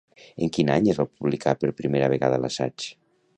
En quin any es va publicar per primera vegada l'assaig?